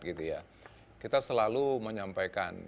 kita selalu menyampaikan